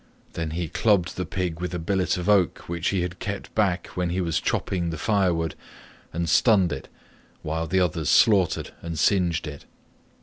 Then he clubbed the pig with a billet of oak which he had kept back when he was chopping the firewood, and stunned it, while the others slaughtered and singed it.